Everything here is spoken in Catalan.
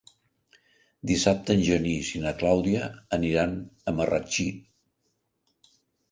Dissabte en Genís i na Clàudia aniran a Marratxí.